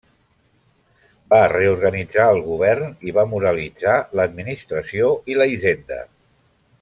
Va reorganitzar el govern i va moralitzar l'administració i la hisenda.